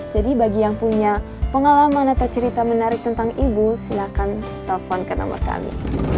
jadi bagi yang punya pengalaman atau cerita menarik tentang ibu silahkan telepon ke nomer kami